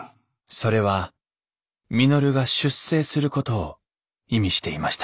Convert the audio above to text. それは稔が出征することを意味していました